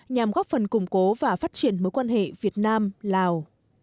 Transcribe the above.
nhằm góp phần củng cố và phát triển mối quan hệ việt nam lào